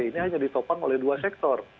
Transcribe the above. ini hanya ditopang oleh dua sektor